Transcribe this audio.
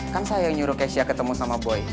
kan saya yang nyuruh keisha ketemu sama boy